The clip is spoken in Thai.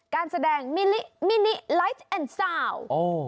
การแสดงมินิไลท์แอนด์ซาวน์